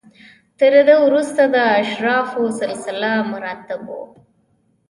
تر ده وروسته د اشرافو سلسله مراتب و.